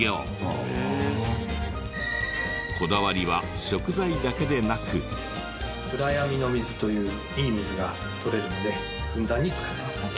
こだわりは暗闇の水といういい水がとれるのでふんだんに使ってます。